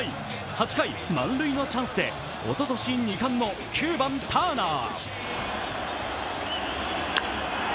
８回、満塁のチャンスでおととし２冠の９番・ターナー。